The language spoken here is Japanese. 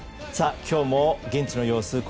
今日も現地の様子